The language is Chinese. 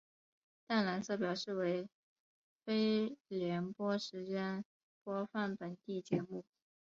淡蓝色表示为非联播时间播放本地节目。